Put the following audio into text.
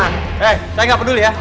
hei saya nggak peduli ya